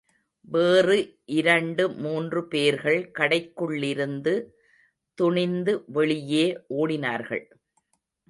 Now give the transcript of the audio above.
வேறு இரண்டு மூன்று பேர்கள் கடைக்குள்ளிருந்து துணிந்து வெளியே ஓடினார்கள்.